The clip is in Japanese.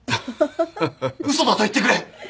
嘘だと言ってくれ！